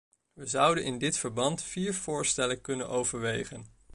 We zouden in dit verband vier voorstellen kunnen overwegen.